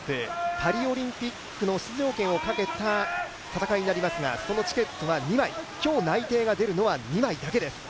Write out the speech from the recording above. パリオリンピックの出場権をかけた戦いになりますが、そのチケットは２枚、今日内定が出るのは２枚だけです。